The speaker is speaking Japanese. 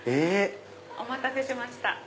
お待たせしました。